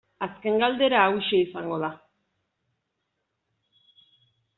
Azken galdera hauxe izango da.